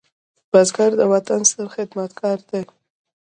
بزګر د وطن ستر خدمتګار دی